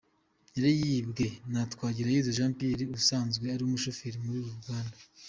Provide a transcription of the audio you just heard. Yari yibwe na Twagirayezu Jean Pierre usanzwe ari umushoferi muri uru ruganda.